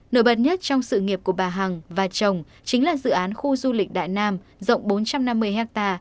nổi bật nhất trong sự nghiệp của bà hằng và chồng chính là dự án khu du lịch đại nam rộng bốn trăm năm mươi ha